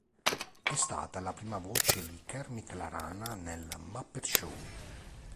È stata la prima voce di Kermit la Rana nel Muppet Show.